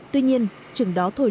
tuy nhiên chừng đó thôi